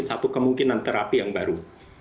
satu kemungkinan terapi yang baru